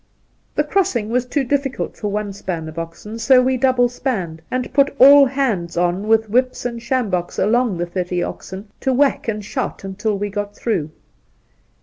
The crossing was ttfo difficult for one span of oxen, so we double spanned, and put all hands on Soltke 5 1 with "whips and sjamboks along the thirty oxen, to whack and shout until we got through.